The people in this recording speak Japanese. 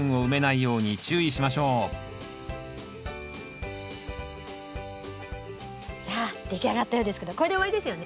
いや出来上がったようですけどこれで終わりですよね？